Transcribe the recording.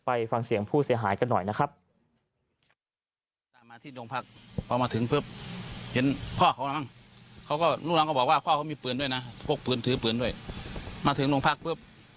ฟังเสียงผู้เสียหายกันหน่อยนะครับ